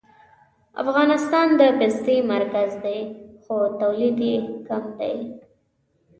افغانستان د پستې مرکز دی خو تولید یې کم دی